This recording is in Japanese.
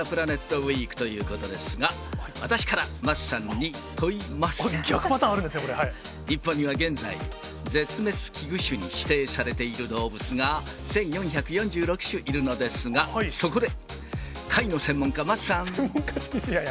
ウィークということですが、こういうパターンがあるんで日本には現在、絶滅危惧種に指定されている動物が１４４６種いるのですが、そこで、貝の専門専門家って、いやいや。